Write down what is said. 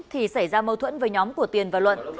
thì xảy ra mâu thuẫn với nhóm của tiền và luận